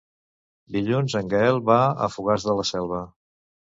Dilluns en Gaël va a Fogars de la Selva.